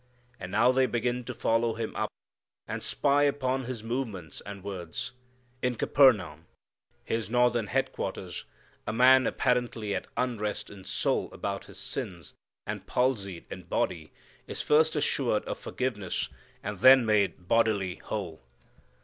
And now they begin to follow Him up, and spy upon His movements and words. In Capernaum, His northern headquarters, a man apparently at unrest in soul about his sins, and palsied in body, is first assured of forgiveness, and then made bodily whole.